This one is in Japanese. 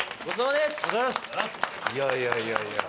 いやいやいやいや。